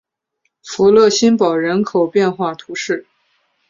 勒福新堡人口变化图示